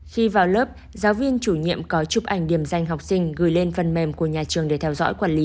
khi vào lớp giáo viên chủ nhiệm có chụp ảnh điểm danh học sinh gửi lên phần mềm của nhà trường